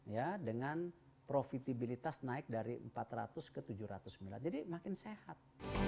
ya dengan profitabilitas naik dari empat ratus ke tujuh ratus sembilan jadi makin sehat